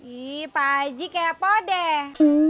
ih pak haji kepo deh